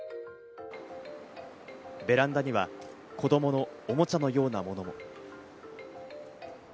ベランダには子供のおもちゃのようなものも。